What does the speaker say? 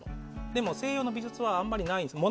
でも、西洋の美術はあまりないですね。